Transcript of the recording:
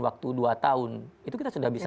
imp cosmos véritable pada tengah keindahannya